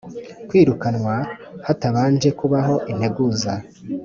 kwirukanwa hatabanje kubaho integuza